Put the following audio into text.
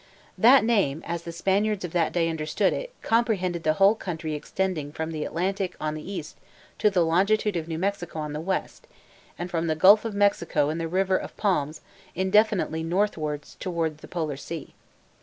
That name, as the Spaniards of that day understood it, comprehended the whole country extending from the Atlantic on the east to the longitude of New Mexico on the west, and from the Gulf of Mexico and the River of Palms indefinitely northward towards the polar sea.